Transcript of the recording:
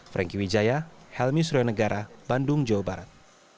franky widjaya helmi surionegara bandung jawa barat